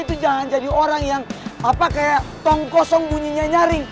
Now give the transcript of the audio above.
itu jangan jadi orang yang apa kayak tongkosong bunyinya nyaring